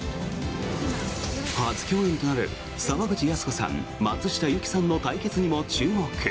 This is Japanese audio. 今回初共演となる沢口靖子さん松下由樹さんの対決にも注目。